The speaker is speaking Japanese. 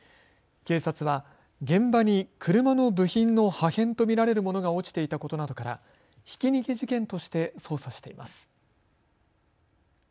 警察は現場に車の部品の破片と見られるものが落ちていたことなどからひき逃げ事件として捜査しています。